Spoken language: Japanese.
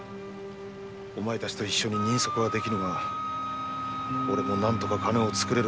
お前たちと一緒に人足はできぬがおれも何とか金をつくれるかもしれぬ。